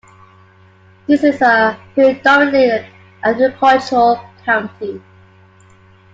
This is a predominantly agricultural county.